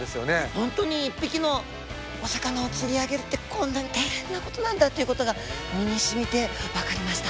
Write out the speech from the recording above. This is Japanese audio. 本当に一匹のお魚を釣り上げるってこんなに大変なことなんだっていうことが身にしみて分かりました。